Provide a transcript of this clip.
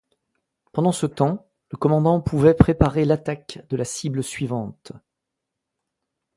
Pendant ce temps, le commandant pouvait préparer l'attaque de la cible suivante.